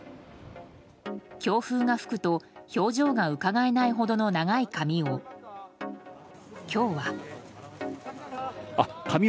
強風が吹くと、表情がうかがえないほどの長い髪を今日は。